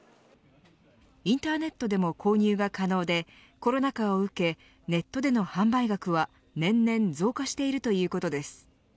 インターネットでも購入が可能でコロナ禍を受けネットでの販売額は年々増加しているということです。